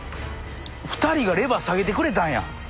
２人がレバー下げてくれたんや。